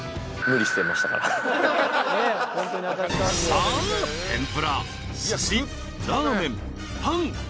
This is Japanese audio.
［さあ天ぷらすしラーメンパンスイーツ］